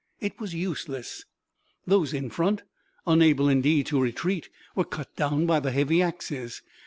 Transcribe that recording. It was useless. Those in front, unable indeed to retreat, were cut down by the heavy axes.